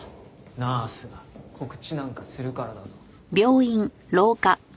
ナースが告知なんかするからだぞ。